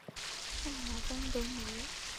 圣马丹德姆约。